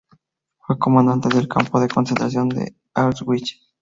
Fue comandante del campo de concentración de Auschwitz.